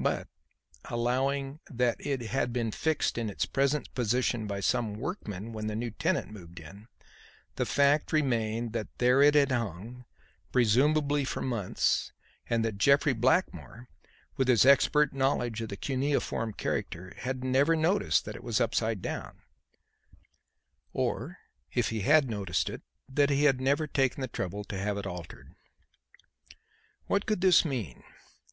But allowing that it had been fixed in its present position by some workman when the new tenant moved in, the fact remained that there it had hung, presumably for months, and that Jeffrey Blackmore, with his expert knowledge of the cuneiform character, had never noticed that it was upside down; or, if he had noticed it, that he had never taken the trouble to have it altered. What could this mean?